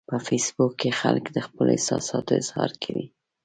په فېسبوک کې خلک د خپلو احساساتو اظهار کوي